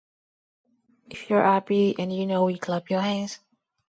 If you're happy and you know it, clap your hands!